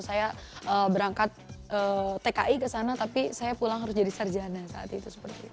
saya berangkat tki ke sana tapi saya pulang harus jadi sarjana saat itu